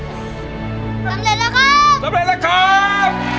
สำเร็จแล้วครับ